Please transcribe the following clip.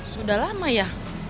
sudah lama ya